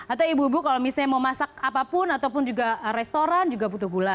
atau ibu ibu kalau misalnya mau masak apapun ataupun juga restoran juga butuh gula